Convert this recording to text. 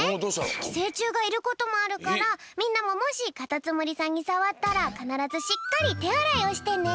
きせいちゅうがいることもあるからみんなももしカタツムリさんにさわったらかならずしっかりてあらいをしてね！